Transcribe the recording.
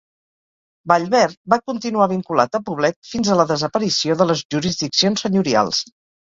Vallverd va continuar vinculat a Poblet fins a la desaparició de les jurisdiccions senyorials.